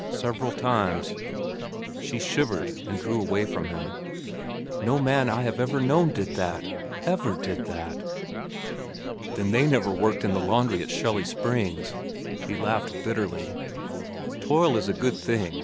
Several times." She shivered and drew away from him. "No man that I have ever known did that—ever did that." "Then they never worked in the laundry at Shelly Hot Springs," he laughed bitterly. "Toil is a good thing.